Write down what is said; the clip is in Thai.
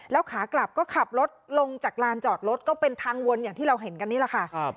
แล้วขากลับก็ขับรถลงจากลานจอดรถก็เป็นทางวนอย่างที่เราเห็นกันนี่แหละค่ะ